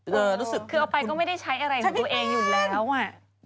คือเอาไปก็ไม่ได้ใช้อะไรของตัวเองอยู่แล้ว